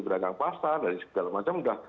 pedagang pasar dari segala macam sudah